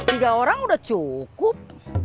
tiga orang udah cukup